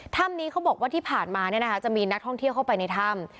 ถ้ำนี้เขาบอกว่าที่ผ่านมาจะมีนักท่องเที่ยวเข้าไปในถ้ำ